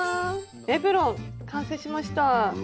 エプロン完成しました。